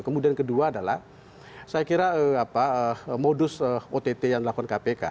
kemudian kedua adalah saya kira modus ott yang dilakukan kpk